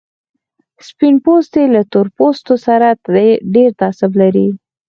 سپين پوستي له تور پوستو سره ډېر تعصب لري.